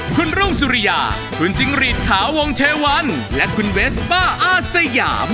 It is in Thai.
ครูบยาน่าริจหาวงเทวันและคุณเวสป้าอาสยาม